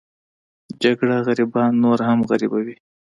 جګړه غریبان نور هم غریبوي